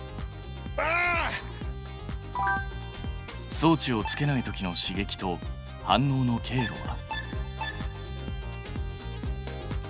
装置をつけたときの刺激と反応の経路は。